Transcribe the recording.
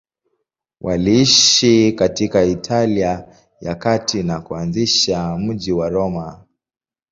Waliishi katika Italia ya Kati na kuanzisha mji wa Roma.